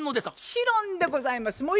もちろんでございます。